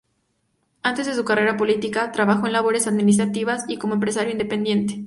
Antes de su carrera política, trabajó en labores administrativas y como empresario independiente.